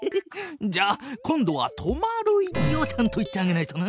じゃあ今度は止まる位置をちゃんと言ってあげないとな。